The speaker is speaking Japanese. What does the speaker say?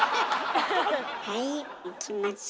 はいいきましょ。